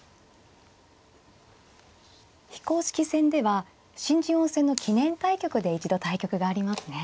非公式戦では新人王戦の記念対局で一度対局がありますね。